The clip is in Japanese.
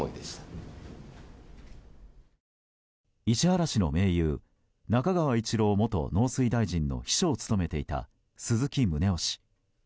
石原氏の盟友中川一郎元農水大臣の秘書を務めていた鈴木宗男氏。